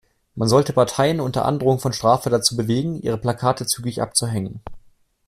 Man sollte Parteien unter Androhung von Strafen dazu bewegen, ihre Plakate zügig abzuhängen.